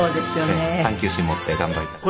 探究心持って頑張りたいと。